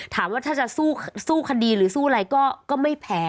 ถามว่าถ้าจะสู้คดีหรือสู้อะไรก็ไม่แพ้